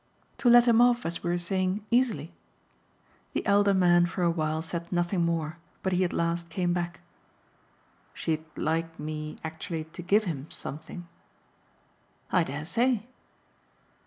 "To let him off, as we were saying, easily." The elder man for a while said nothing more, but he at last came back. "She'd like me actually to give him something?" "I dare say!"